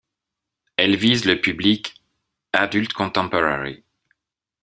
Elle vise le public Adult contemporary.